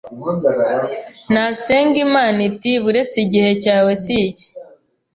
Nasenga Imana iti: “ba uretse gihe cyawe si iki.”